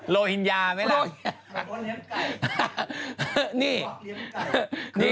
โลฮิญญาไหมน่ะ